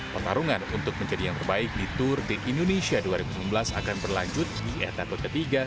pertarungan untuk menjadi yang terbaik di tour de indonesia dua ribu enam belas akan berlanjut di etakut ketiga